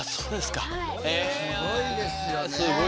すごいですよね。